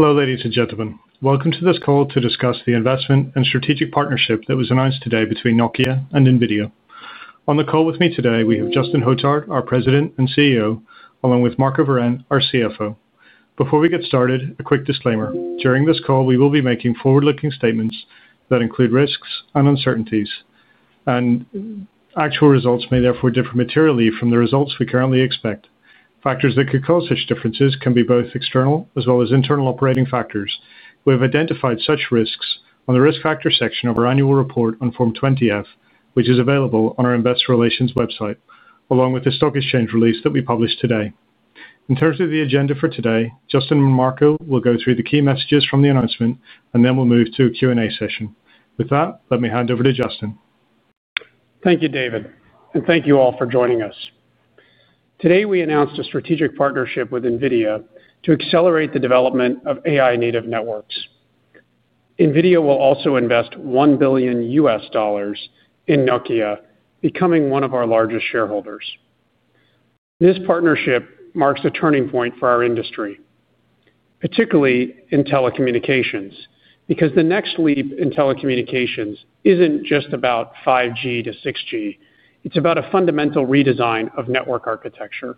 Hello, ladies and gentlemen. Welcome to this call to discuss the investment and strategic partnership that was announced today between Nokia and Nvidia. On the call with me today, we have Justin Hotard, our President and CEO, along with Marco Wirén, our CFO. Before we get started, a quick disclaimer. During this call, we will be making forward-looking statements that include risks and uncertainties, and actual results may, therefore, differ materially from the results we currently expect. Factors that could cause such differences can be both external as well as internal operating factors. We have identified such risks on the risk factor section of our annual report on Form 20F, which is available on our investor relations website, along with the stock exchange release that we published today. In terms of the agenda for today, Justin and Marco will go through the key messages from the announcement, and then we'll move to a Q&A session. With that, let me hand over to Justin. Thank you, David. Thank you all for joining us. Today, we announced a strategic partnership with Nvidia to accelerate the development of AI-native networks. Nvidia will also invest 1 billion US dollars in Nokia, becoming one of our largest shareholders. This partnership marks a turning point for our industry, particularly in telecommunications, because the next leap in telecommunications isn't just about 5G-6G. It's about a fundamental redesign of network architecture.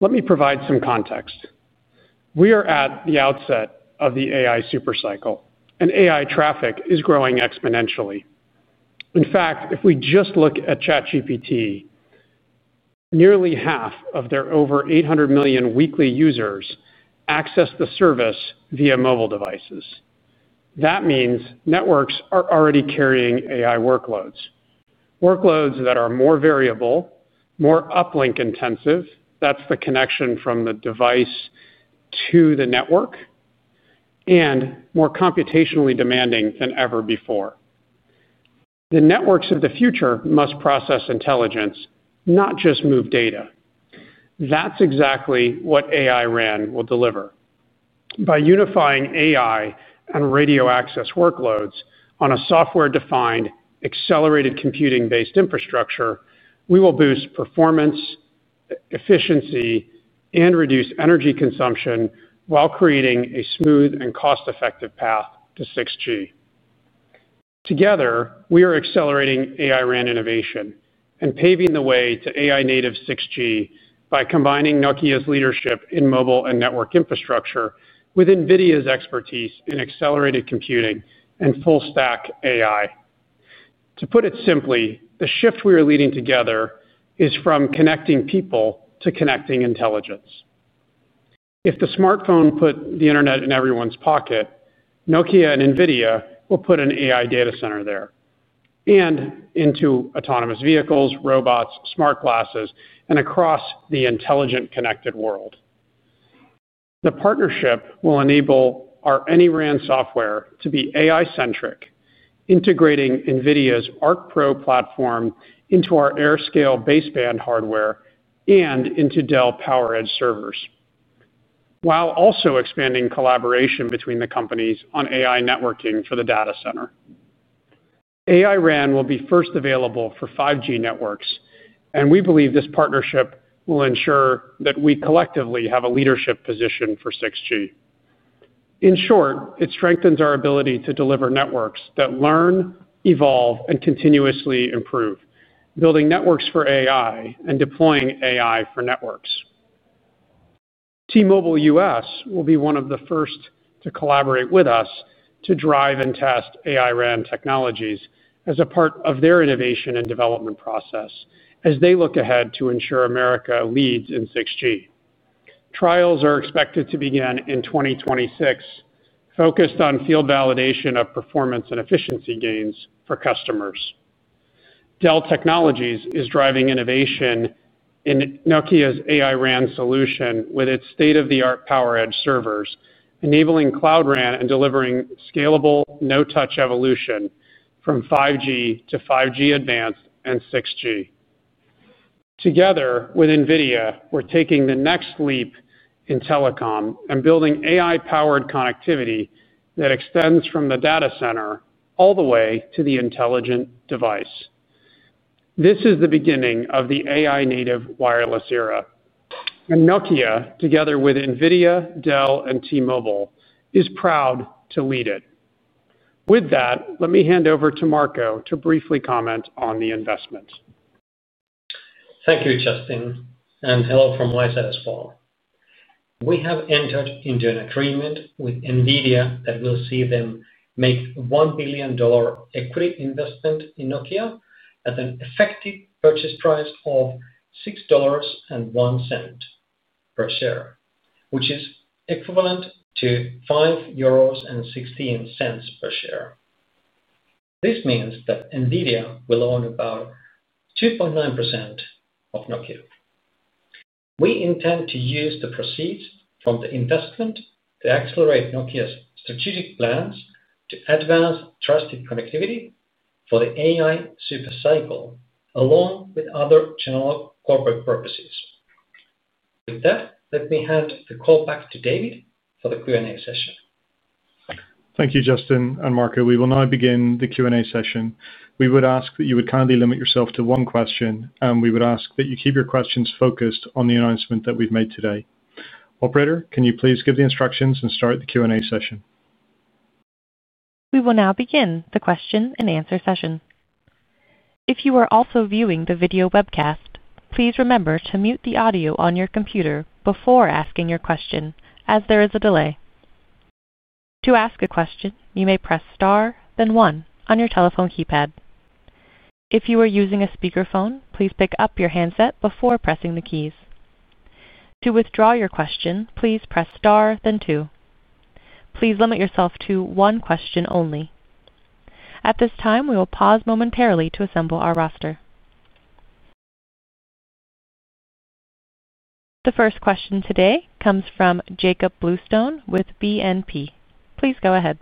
Let me provide some context. We are at the outset of the AI supercycle, and AI traffic is growing exponentially. In fact, if we just look at ChatGPT, nearly half of their over 800 million weekly users access the service via mobile devices. That means networks are already carrying AI workloads, workloads that are more variable, more uplink intensive. That's the connection from the device to the network, and more computationally demanding than ever before. The networks of the future must process intelligence, not just move data. That's exactly what AI-RAN will deliver. By unifying AI and radio access workloads on a software-defined, accelerated computing-based infrastructure, we will boost performance, efficiency, and reduce energy consumption while creating a smooth and cost-effective path to 6G. Together, we are accelerating AI-RAN innovation and paving the way to AI-native 6G by combining Nokia's leadership in mobile and network infrastructure with Nvidia's expertise in accelerated computing and full-stack AI. To put it simply, the shift we are leading together is from connecting people to connecting intelligence. If the smartphone put the internet in everyone's pocket, Nokia and Nvidia will put an AI data center there, and into autonomous vehicles, robots, smart glasses, and across the intelligent connected world. The partnership will enable our AnyRAN software to be AI-centric, integrating Nvidia's Arc Pro platform into our AirScale baseband hardware and into Dell PowerEdge servers, while also expanding collaboration between the companies on AI networking for the data center. AI-RAN will be first available for 5G networks, and we believe this partnership will ensure that we collectively have a leadership position for 6G. In short, it strengthens our ability to deliver networks that learn, evolve, and continuously improve, building networks for AI and deploying AI for networks. T-Mobile US will be one of the first to collaborate with us to drive and test AI-RAN technologies as a part of their innovation and development process as they look ahead to ensure America leads in 6G. Trials are expected to begin in 2026, focused on field validation of performance and efficiency gains for customers. Dell Technologies is driving innovation in Nokia's AI-RAN solution with its state-of-the-art PowerEdge servers, enabling Cloud RAN and delivering scalable, no-touch evolution from 5G to 5G Advanced and 6G. Together with Nvidia, we're taking the next leap in telecom and building AI-powered connectivity that extends from the data center all the way to the intelligent device. This is the beginning of the AI-native wireless era, and Nokia, together with Nvidia, Dell, and T-Mobile US, is proud to lead it. With that, let me hand over to Marco to briefly comment on the investment. Thank you, Justin, and hello from my side as well. We have entered into an agreement with Nvidia that will see them make a 1 billion dollar equity investment in Nokia at an effective purchase price of 6.01 dollars per share, which is equivalent to 5.16 euros per share. This means that Nvidia will own about 2.9% of Nokia. We intend to use the proceeds from the investment to accelerate Nokia's strategic plans to advance trusted connectivity for the AI supercycle along with other general corporate purposes. With that, let me hand the call back to David for the Q&A session. Thank you, Justin, and Marco. We will now begin the Q&A session. We would ask that you kindly limit yourself to one question, and we would ask that you keep your questions focused on the announcement that we've made today. Operator, can you please give the instructions and start the Q&A session? We will now begin the question and answer session. If you are also viewing the video webcast, please remember to mute the audio on your computer before asking your question, as there is a delay. To ask a question, you may press star, then one on your telephone keypad. If you are using a speakerphone, please pick up your handset before pressing the keys. To withdraw your question, please press star, then two. Please limit yourself to one question only. At this time, we will pause momentarily to assemble our roster. The first question today comes from Jakob Bluestone with BNP. Please go ahead.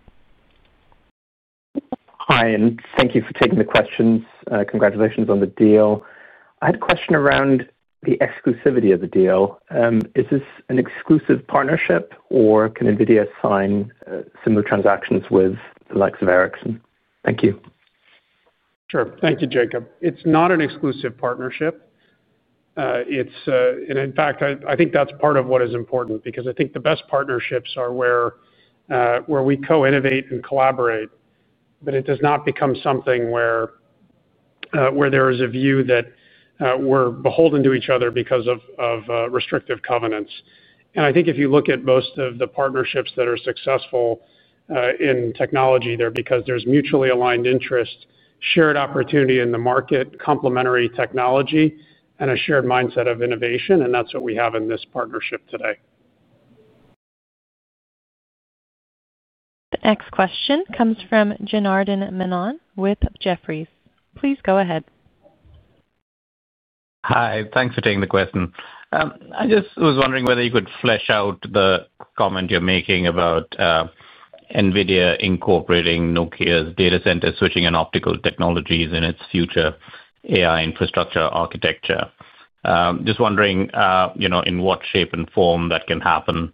Hi, and thank you for taking the questions. Congratulations on the deal. I had a question around the exclusivity of the deal. Is this an exclusive partnership, or can Nvidia sign similar transactions with the likes of Ericsson? Thank you. Sure. Thank you, Jacob. It's not an exclusive partnership. In fact, I think that's part of what is important, because I think the best partnerships are where we co-innovate and collaborate, but it does not become something where there is a view that we're beholden to each other because of restrictive covenants. I think if you look at most of the partnerships that are successful in technology, they're because there's mutually aligned interest, shared opportunity in the market, complementary technology, and a shared mindset of innovation. That's what we have in this partnership today. The next question comes from Janardan Menon with Jefferies. Please go ahead. Hi. Thanks for taking the question. I just was wondering whether you could flesh out the comment you're making about Nvidia incorporating Nokia's data center switching and optical technologies in its future AI infrastructure architecture. Just wondering in what shape and form that can happen.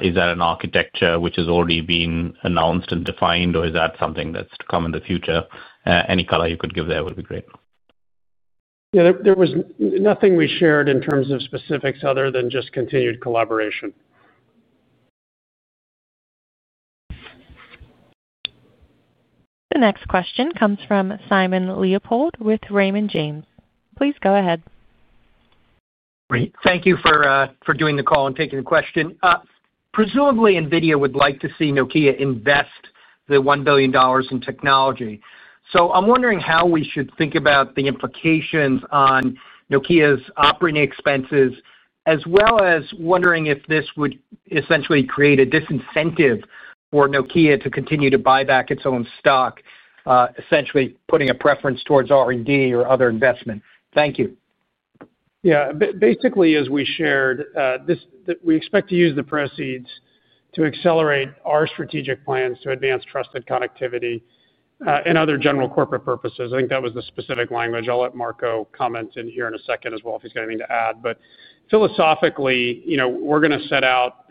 Is that an architecture which has already been announced and defined, or is that something that's to come in the future? Any color you could give there would be great. Yeah, there was nothing we shared in terms of specifics other than just continued collaboration. The next question comes from Simon Leopold with Raymond James. Please go ahead. Great. Thank you for doing the call and taking the question. Presumably, Nvidia would like to see Nokia invest the 1 billion dollars in technology. I'm wondering how we should think about the implications on Nokia's operating expenses, as well as wondering if this would essentially create a disincentive for Nokia to continue to buy back its own stock, essentially putting a preference towards R&D or other investment. Thank you. Yeah, basically, as we shared, we expect to use the proceeds to accelerate our strategic plans to advance trusted connectivity and other general corporate purposes. I think that was the specific language. I'll let Marco comment here in a second as well if he's got anything to add. Philosophically, we're going to set out,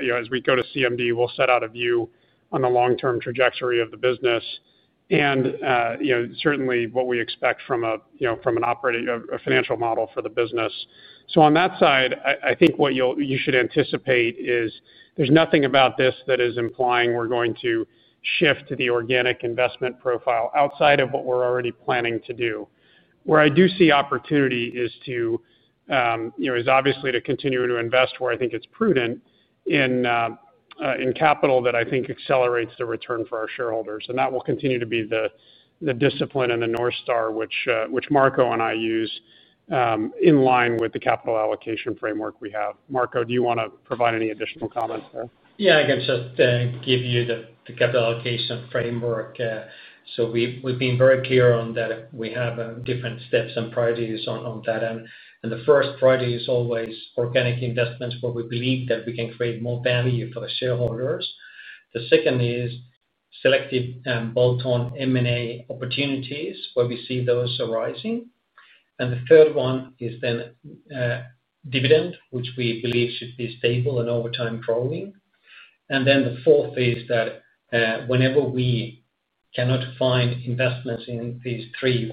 as we go to CMD, we'll set out a view on the long-term trajectory of the business and certainly what we expect from an operating financial model for the business. On that side, I think what you should anticipate is there's nothing about this that is implying we're going to shift to the organic investment profile outside of what we're already planning to do. Where I do see opportunity is obviously to continue to invest where I think it's prudent in capital that I think accelerates the return for our shareholders. That will continue to be the discipline and the North Star, which Marco and I use in line with the capital allocation framework we have. Marco, do you want to provide any additional comments there? I can just give you the capital allocation framework. We've been very clear on that. We have different steps and priorities on that. The first priority is always organic investments where we believe that we can create more value for the shareholders. The second is selective and bolt-on M&A opportunities where we see those arising. The third one is dividend, which we believe should be stable and over time growing. The fourth is that whenever we cannot find investments in these three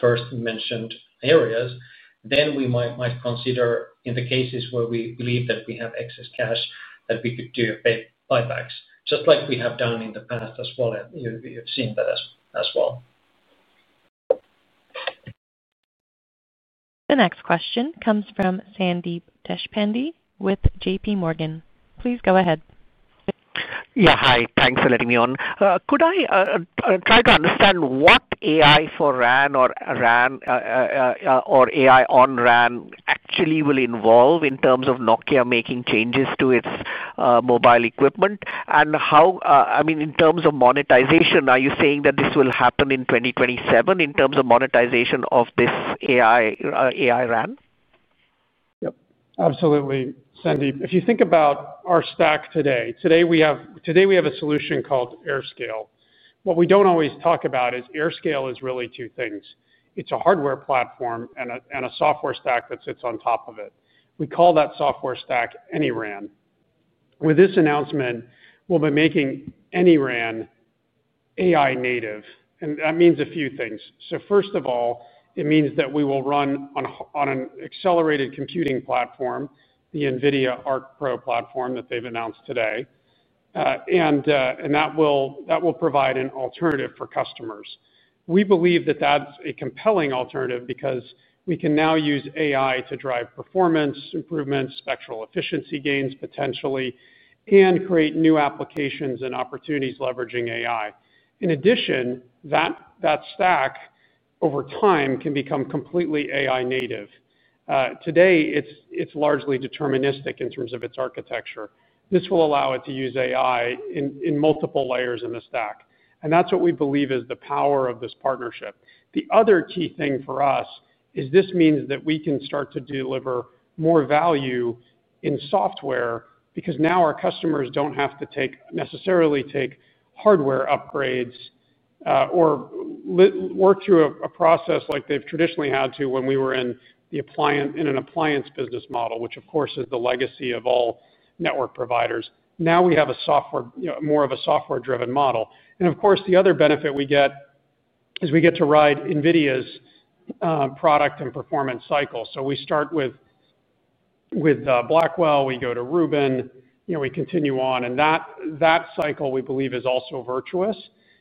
first-mentioned areas, we might consider, in the cases where we believe that we have excess cash, that we could do buybacks, just like we have done in the past as well. You've seen that as well. The next question comes from Sandeep Deshpande with JPMorgan. Please go ahead. Yeah, hi. Thanks for letting me on. Could I try to understand what AI for RAN or AI on RAN actually will involve in terms of Nokia making changes to its mobile equipment? In terms of monetization, are you saying that this will happen in 2027 in terms of monetization of this AI-RAN? Absolutely, Sandeep. If you think about our stack today, we have a solution called AirScale. What we don't always talk about is AirScale is really two things. It's a hardware platform and a software stack that sits on top of it. We call that software stack AnyRAN. With this announcement, we'll be making AnyRAN AI-native. That means a few things. First of all, it means that we will run on an accelerated computing platform, the Nvidia Arc Pro platform that they've announced today. That will provide an alternative for customers. We believe that that's a compelling alternative because we can now use AI to drive performance improvements, spectral efficiency gains potentially, and create new applications and opportunities leveraging AI. In addition, that stack over time can become completely AI-native. Today, it's largely deterministic in terms of its architecture. This will allow it to use AI in multiple layers in the stack. That's what we believe is the power of this partnership. The other key thing for us is this means that we can start to deliver more value in software because now our customers don't have to necessarily take hardware upgrades or work through a process like they've traditionally had to when we were in an appliance business model, which, of course, is the legacy of all network providers. Now we have a more software-driven model. The other benefit we get is we get to ride Nvidia's product and performance cycle. We start with Blackwell. We go to Rubin. We continue on. That cycle, we believe, is also virtuous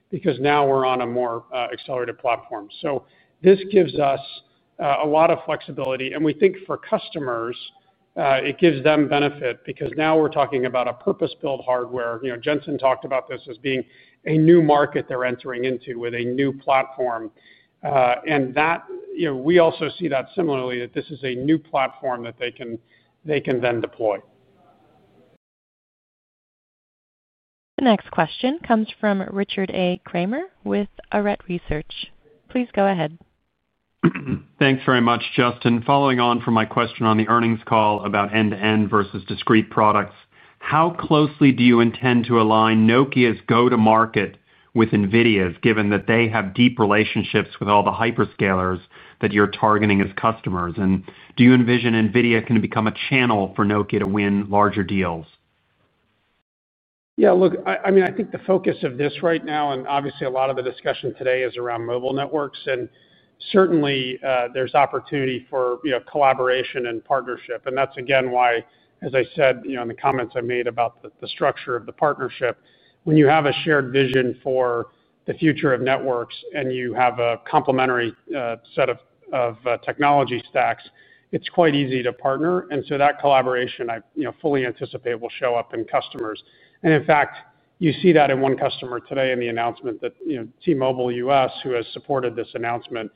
because now we're on a more accelerated platform. This gives us a lot of flexibility. We think for customers, it gives them benefit because now we're talking about a purpose-built hardware. Jensen talked about this as being a new market they're entering into with a new platform. We also see that similarly, that this is a new platform that they can then deploy. The next question comes from Richard Kramer with Arete Research. Please go ahead. Thanks very much, Justin. Following on from my question on the earnings call about end-to-end versus discrete products, how closely do you intend to align Nokia's go-to-market with Nvidia's, given that they have deep relationships with all the hyperscalers that you're targeting as customers? Do you envision Nvidia can become a channel for Nokia to win larger deals? Yeah, look, I mean, I think the focus of this right now, and obviously a lot of the discussion today is around mobile networks. Certainly, there's opportunity for collaboration and partnership. That's, again, why, as I said in the comments I made about the structure of the partnership, when you have a shared vision for the future of networks and you have a complementary set of technology stacks, it's quite easy to partner. That collaboration, I fully anticipate, will show up in customers. In fact, you see that in one customer today in the announcement, T-Mobile US, who has supported this announcement.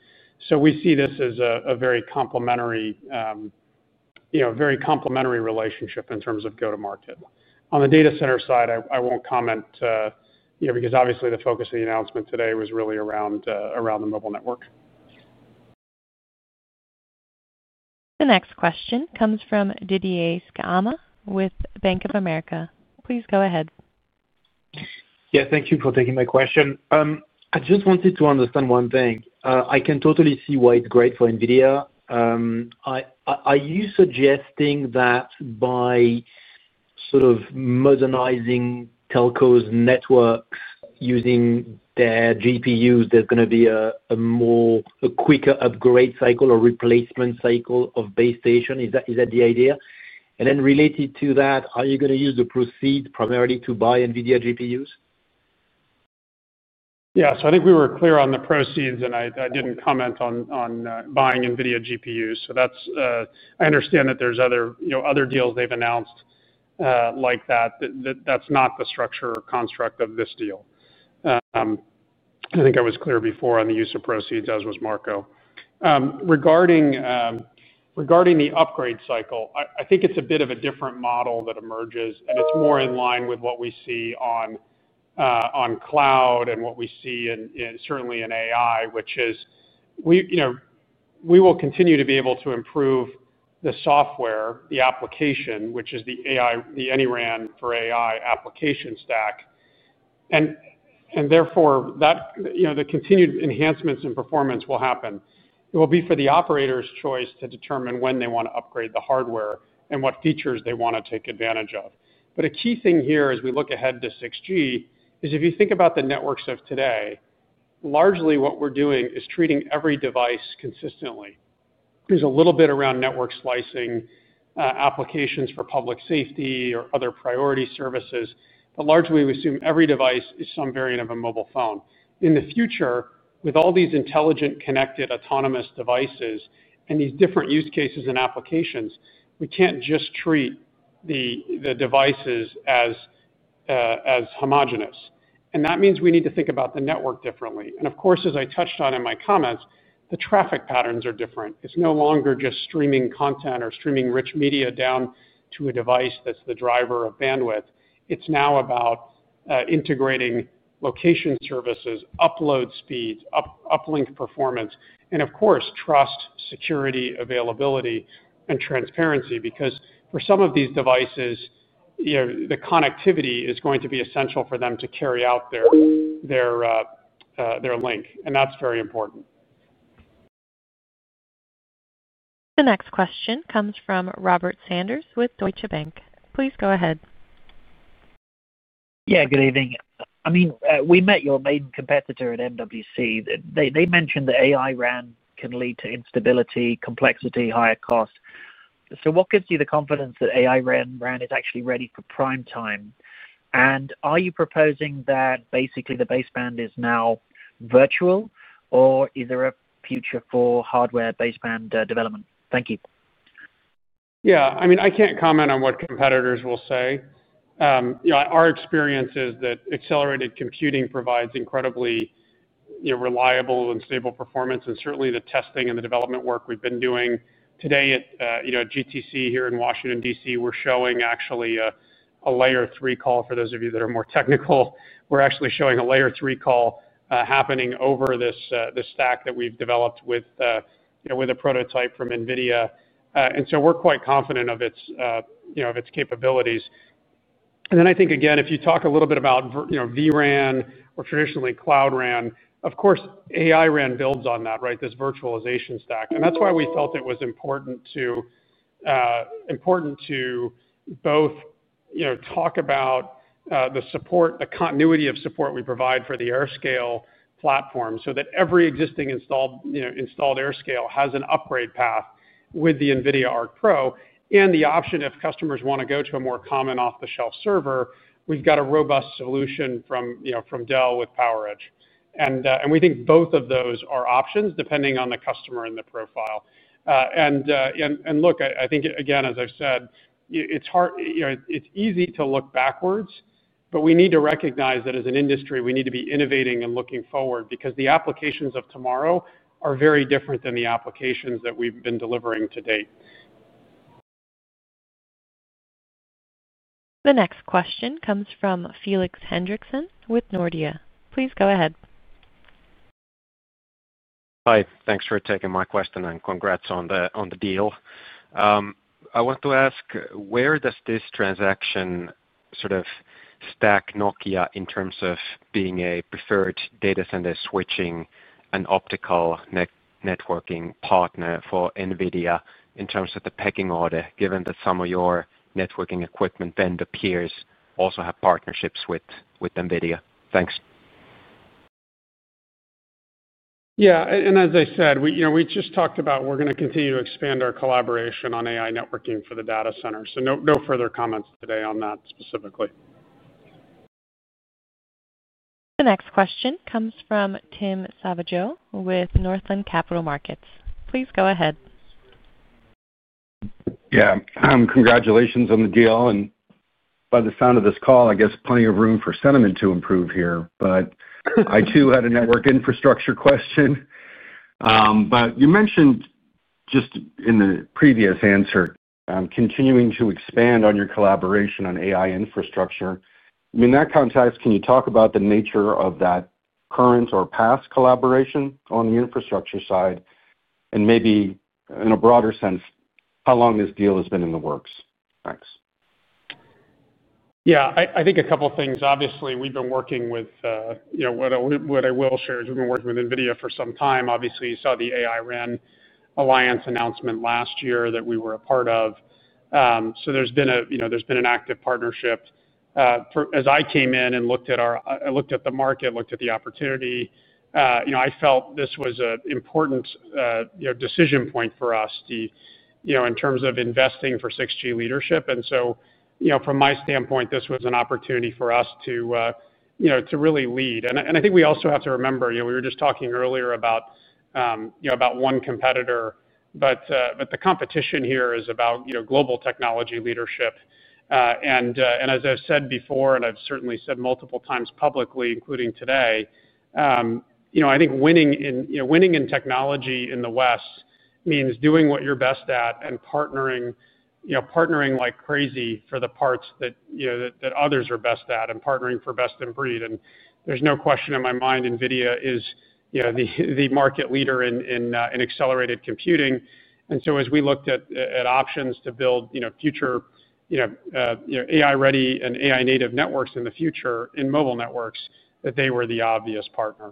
We see this as a very complementary relationship in terms of go-to-market. On the data center side, I won't comment because obviously the focus of the announcement today was really around the mobile network. The next question comes from Didier Scemama with Bank of America. Please go ahead. Thank you for taking my question. I just wanted to understand one thing. I can totally see why it's great for Nvidia. Are you suggesting that by sort of modernizing telcos' networks using their GPUs, there's going to be a quicker upgrade cycle or replacement cycle of base station? Is that the idea? Related to that, are you going to use the proceeds primarily to buy Nvidia GPUs? I think we were clear on the proceeds, and I didn't comment on buying Nvidia GPUs. I understand that there's other deals they've announced like that. That's not the structure or construct of this deal. I think I was clear before on the use of proceeds, as was Marco. Regarding the upgrade cycle, I think it's a bit of a different model that emerges, and it's more in line with what we see on cloud and what we see certainly in AI, which is we will continue to be able to improve the software, the application, which is the AnyRAN for AI application stack. Therefore, the continued enhancements in performance will happen. It will be for the operator's choice to determine when they want to upgrade the hardware and what features they want to take advantage of. A key thing here as we look ahead to 6G is if you think about the networks of today, largely what we're doing is treating every device consistently. There's a little bit around network slicing, applications for public safety, or other priority services. Largely, we assume every device is some variant of a mobile phone. In the future, with all these intelligent connected autonomous devices and these different use cases and applications, we can't just treat the devices as homogeneous. That means we need to think about the network differently. Of course, as I touched on in my comments, the traffic patterns are different. It's no longer just streaming content or streaming rich media down to a device that's the driver of bandwidth. It's now about integrating location services, upload speeds, uplink performance, and of course, trust, security, availability, and transparency, because for some of these devices, the connectivity is going to be essential for them to carry out their link. That's very important. The next question comes from Robert Sanders with Deutsche Bank. Please go ahead. Good evening. I mean, we met your main competitor at MWC. They mentioned that AI-RAN can lead to instability, complexity, higher cost. What gives you the confidence that AI-RAN is actually ready for prime time? Are you proposing that basically the baseband is now virtual, or is there a future for hardware baseband development? Thank you. Yeah, I mean, I can't comment on what competitors will say. Our experience is that accelerated computing provides incredibly reliable and stable performance. Certainly, the testing and the development work we've been doing today at GTC here in Washington, D.C., we're showing actually a layer three call. For those of you that are more technical, we're actually showing a layer three call happening over this stack that we've developed with a prototype from Nvidia. We're quite confident of its capabilities. I think, again, if you talk a little bit about vRAN or traditionally Cloud RAN, of course, AI-RAN builds on that, right, this virtualization stack. That's why we felt it was important to both talk about the support, the continuity of support we provide for the AirScale platform so that every existing installed AirScale has an upgrade path with the Nvidia Arc Pro and the option if customers want to go to a more common off-the-shelf server. We've got a robust solution from Dell Technologies with PowerEdge. We think both of those are options depending on the customer and the profile. I think, again, as I said, it's easy to look backwards, but we need to recognize that as an industry, we need to be innovating and looking forward because the applications of tomorrow are very different than the applications that we've been delivering to date. The next question comes from Felix Henriksen with Nordea. Please go ahead. Hi. Thanks for taking my question and congrats on the deal. I want to ask, where does this transaction sort of stack Nokia in terms of being a preferred data center switching and optical networking partner for Nvidia in terms of the pecking order, given that some of your networking equipment vendor peers also have partnerships with Nvidia? Thanks. As I said, we just talked about we're going to continue to expand our collaboration on AI networking for the data center. No further comments today on that specifically. The next question comes from Tim Savageaux with Northland Capital Markets. Please go ahead. Yeah, congratulations on the deal. By the sound of this call, I guess plenty of room for sentiment to improve here. I too had a Network Infrastructure question. You mentioned just in the previous answer continuing to expand on your collaboration on AI infrastructure. In that context, can you talk about the nature of that current or past collaboration on the infrastructure side? Maybe in a broader sense, how long this deal has been in the works? Thanks. Yeah, I think a couple of things. Obviously, we've been working with, you know, what I will share is we've been working with Nvidia for some time. Obviously, you saw the AI-RAN Alliance announcement last year that we were a part of. There's been an active partnership. As I came in and looked at the market, looked at the opportunity, I felt this was an important decision point for us in terms of investing for 6G leadership. From my standpoint, this was an opportunity for us to really lead. I think we also have to remember, you know, we were just talking earlier about one competitor. The competition here is about global technology leadership. As I've said before, and I've certainly said multiple times publicly, including today, I think winning in technology in the West means doing what you're best at and partnering like crazy for the parts that others are best at and partnering for best in breed. There's no question in my mind Nvidia is the market leader in accelerated computing. As we looked at options to build future AI-ready and AI-native networks in the future in mobile networks, they were the obvious partner.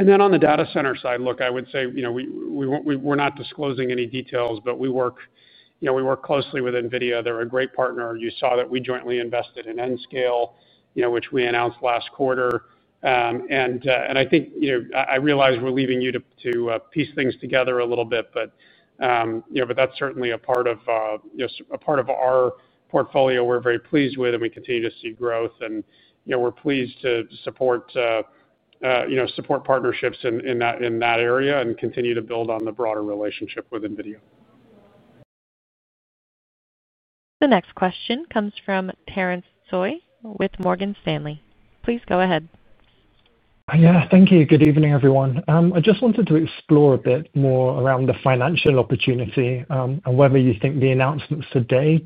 On the data center side, I would say we're not disclosing any details, but we work closely with Nvidia. They're a great partner. You saw that we jointly invested in Nscale, which we announced last quarter. I realize we're leaving you to piece things together a little bit, but that's certainly a part of our portfolio we're very pleased with. We continue to see growth. We're pleased to support partnerships in that area and continue to build on the broader relationship with Nvidia. The next question comes from Terence Tsoi with Morgan Stanley. Please go ahead. Thank you. Good evening, everyone. I just wanted to explore a bit more around the financial opportunity and whether you think the announcements today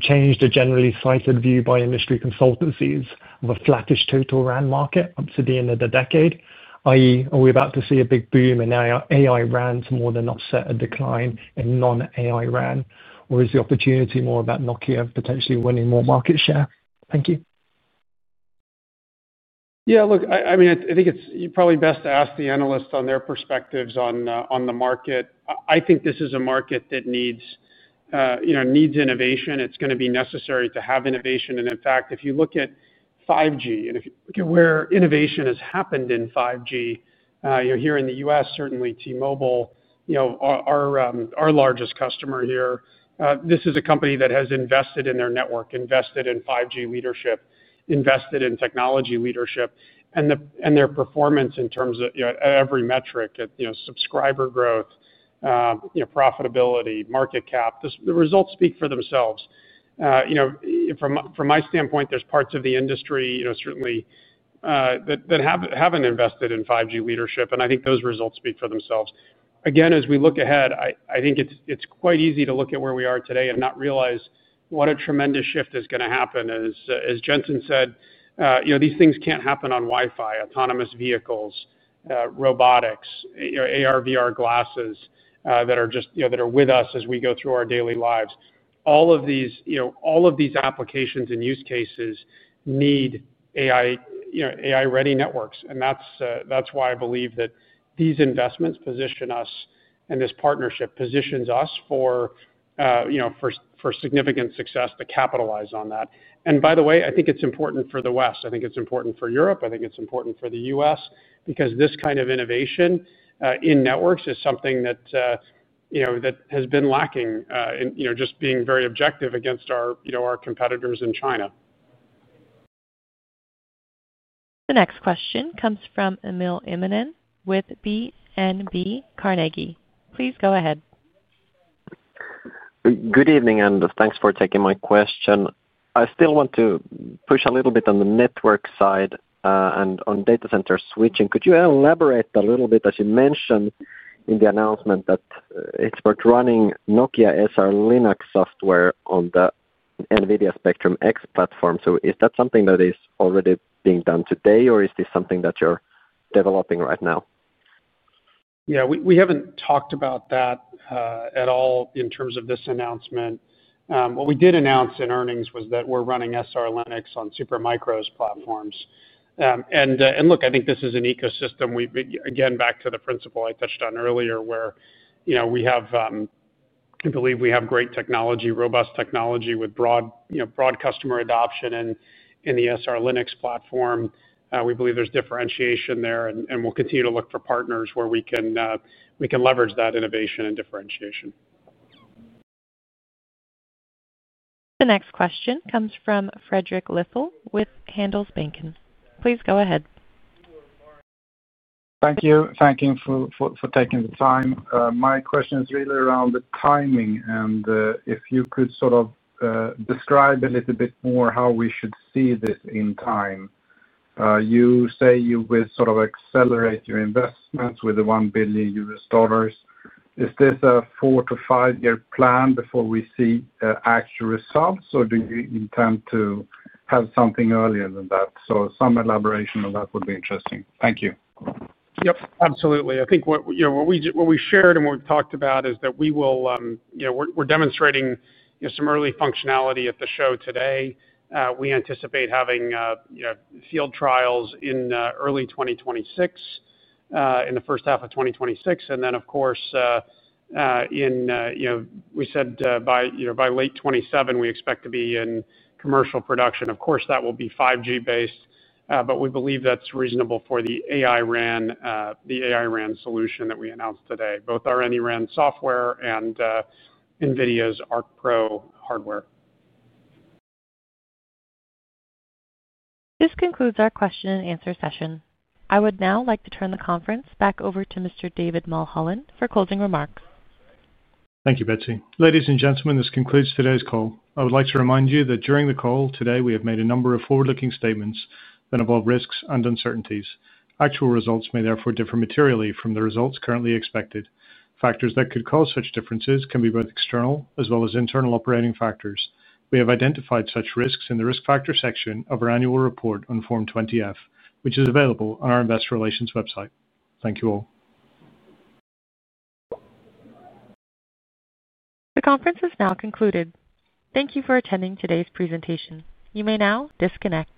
changed a generally slighted view by industry consultancies of a flattish total RAN market up to the end of the decade, i.e., are we about to see a big boom in AI-RAN to more than offset a decline in non-AI RAN, or is the opportunity more about Nokia potentially winning more market share? Thank you. Yeah, look, I mean, I think it's probably best to ask the analysts on their perspectives on the market. I think this is a market that needs innovation. It's going to be necessary to have innovation. In fact, if you look at 5G and if you look at where innovation has happened in 5G, here in the U.S., certainly T-Mobile US, our largest customer here, this is a company that has invested in their network, invested in 5G leadership, invested in technology leadership, and their performance in terms of every metric, subscriber growth, profitability, market cap. The results speak for themselves. From my standpoint, there's parts of the industry, certainly that haven't invested in 5G leadership. I think those results speak for themselves. Again, as we look ahead, I think it's quite easy to look at where we are today and not realize what a tremendous shift is going to happen. As Jensen said, these things can't happen on Wi-Fi, autonomous vehicles, robotics, AR/VR glasses that are with us as we go through our daily lives. All of these applications and use cases need AI-ready networks. That's why I believe that these investments position us, and this partnership positions us for significant success to capitalize on that. By the way, I think it's important for the West. I think it's important for Europe. I think it's important for the U.S. because this kind of innovation in networks is something that has been lacking, just being very objective against our competitors in China. The next question comes from Emil Immonen with Carnegie. Please go ahead. Good evening, and thanks for taking my question. I still want to push a little bit on the network side and on data center switching. Could you elaborate a little bit as you mentioned in the announcement that it's worth running Nokia as our Linux software on the Nvidia Spectrum X platform? Is that something that is already being done today, or is this something that you're developing right now? We haven't talked about that at all in terms of this announcement. What we did announce in earnings was that we're running SR Linux on Supermicro's platforms. I think this is an ecosystem. Back to the principle I touched on earlier, we have, I believe, great technology, robust technology with broad customer adoption in the SR Linux platform. We believe there's differentiation there, and we'll continue to look for partners where we can leverage that innovation and differentiation. The next question comes from Fredrik Lithell with Handelsbanken. Please go ahead. Thank you. Thank you for taking the time. My question is really around the timing. If you could describe a little bit more how we should see this in time. You say you will accelerate your investments with the 1 billion US dollars. Is this a four to five-year plan before we see actual results, or do you intend to have something earlier than that? Some elaboration on that would be interesting. Thank you. Absolutely. I think what we shared and what we talked about is that we will, you know, we're demonstrating some early functionality at the show today. We anticipate having field trials in early 2026, in the first half of 2026. Of course, we said by late 2027, we expect to be in commercial production. That will be 5G based, but we believe that's reasonable for the AI-RAN solution that we announced today, both our AnyRAN software and Nvidia's Arc Pro hardware. This concludes our question and answer session. I would now like to turn the conference back over to Mr. David Mulholland for closing remarks. Thank you, Betsy. Ladies and gentlemen, this concludes today's call. I would like to remind you that during the call today, we have made a number of forward-looking statements that involve risks and uncertainties. Actual results may therefore differ materially from the results currently expected. Factors that could cause such differences can be both external as well as internal operating factors. We have identified such risks in the risk factor section of our annual report on Form 20-F, which is available on our investor relations website. Thank you all. The conference is now concluded. Thank you for attending today's presentation. You may now disconnect.